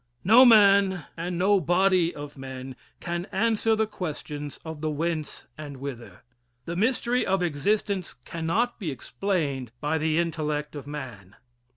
No man, and no body of men, can answer the questions of the Whence and Whither. The mystery of existence cannot be explained by the intellect of man.